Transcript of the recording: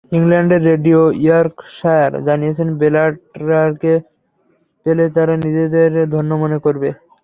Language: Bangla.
ইংল্যান্ডের রেডিও ইয়র্কশায়ার জানিয়েছে, ব্ল্যাটারকে পেলে তারা নিজেদের ধন্য মনে করবে।